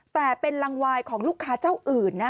แต่เป็นรังวายของลูกค้าเจ้าอื่นนะ